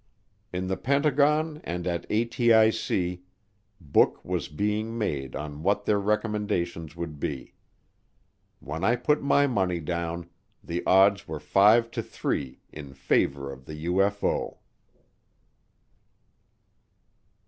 In the Pentagon and at ATIC book was being made on what their recommendations would be. When I put my money down, the odds were 5 to 3 in favor of the UFO.